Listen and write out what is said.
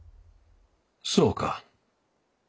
そうか。